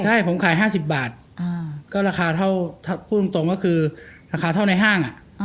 ใช่ผมขาย๕๐บาทก็ราคาเท่าพูดตรงก็คือราคาเท่าในห้าง